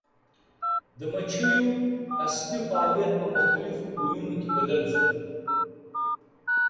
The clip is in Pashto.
د مچیو عصبي فعالیت په مختلفو بویونو کې بدل شو.